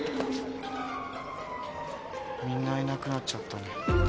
みんないなくなっちゃったね。